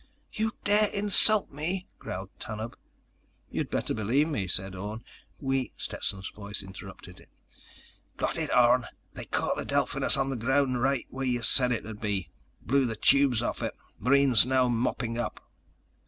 _ "You dare insult me!" growled Tanub. "You had better believe me," said Orne. "We—" Stetson's voice interrupted him: "Got it, Orne! They caught the Delphinus _on the ground right where you said it'd be! Blew the tubes off it. Marines now mopping up."